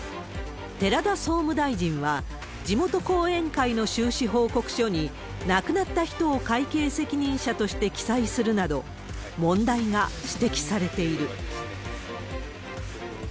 寺田総務大臣は、地元後援会の収支報告書に、亡くなった人を会計責任者として記載するなど、問題が指摘されている。